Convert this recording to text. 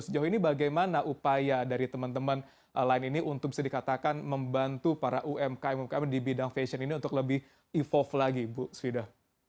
sejauh ini bagaimana upaya dari teman teman lain ini untuk bisa dikatakan membantu para umkm umkm di bidang fashion ini untuk lebih evolve lagi bu svida